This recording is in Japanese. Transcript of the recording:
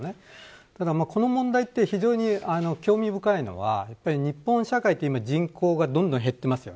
この問題は非常に興味深いのは、日本社会は人口がどんどん減っています。